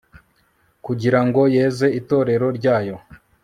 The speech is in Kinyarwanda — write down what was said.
kugira ngo yeze itorero ryayo